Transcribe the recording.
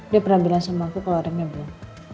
dia pernah bilang sama aku kalo remnya belum